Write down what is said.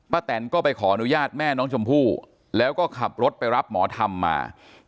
แตนก็ไปขออนุญาตแม่น้องชมพู่แล้วก็ขับรถไปรับหมอธรรมมา